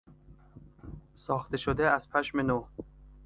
ساخته شده از پشم نو